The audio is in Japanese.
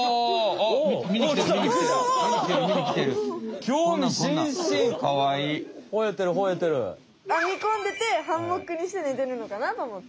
あみこんでてハンモックにして寝てるのかなとおもって。